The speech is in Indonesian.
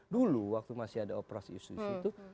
dulu waktu masih ada operasi istri istri itu